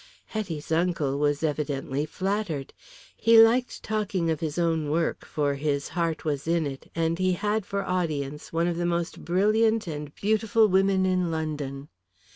Hetty's uncle was evidently flattered. He liked talking of his own work, for his heart was in it, and he had for audience one of the most brilliant and beautiful women in London.